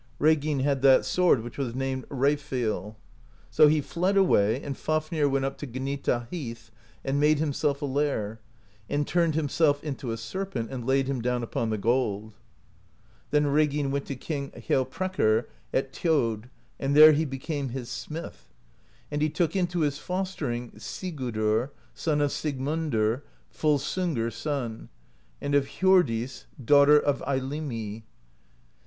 Reginn had that sword which was named Refill. So he fled away, and Fafnir went up to Gnita Heath, and made himself a lair, and turned himself into a serpent, and laid him down upon the gold. "Then Reginn went to King Hjalprekr at Thjod, and there he became his smith; and he took into his fostering Sigurdr, son of Sigmundr, Volsungr's son, and of Hjor dis, daughter of Eylimi.